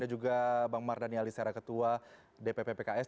dan juga bang mardhani ali secara ketua dpp pks